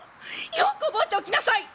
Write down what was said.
よく覚えておきなさい！